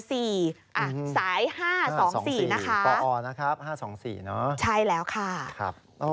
สาย๕๒๔นะคะใช่แล้วค่ะปอนะครับ๕๒๔นะครับ